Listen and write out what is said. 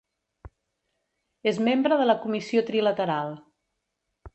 És membre de la Comissió Trilateral.